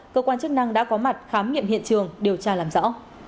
cơ quan chức năng đã có mặt khám nghiệm hiện trường điều tra làm rõ